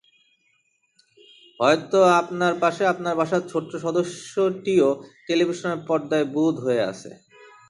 হয়তো আপনার পাশে আপনার বাসার ছোট্ট সদস্যটিও টেলিভিশনের পর্দায় বুঁদ হয়ে আছে।